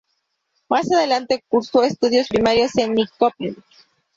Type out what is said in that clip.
Más adelante cursó estudios primarios en Nyköping.